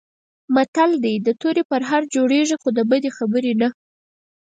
متل دی: د تورې پرهر جوړېږي، خو د بدې خبرې نه.